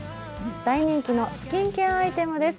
大人気のスキンケアアイテムです。